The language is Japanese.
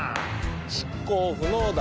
執行不能だ。